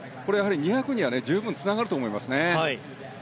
２００ｍには十分つながると思います。